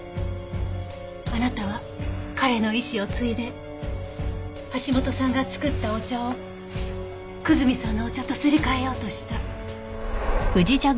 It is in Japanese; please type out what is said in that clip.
あなたは彼の遺志を継いで橋本さんが作ったお茶を久住さんのお茶とすり替えようとした。